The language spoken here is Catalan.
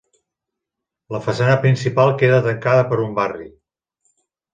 La façana principal queda tancada per un barri.